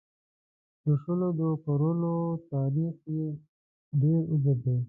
د شولو د کرلو تاریخ یې ډېر اوږد دی.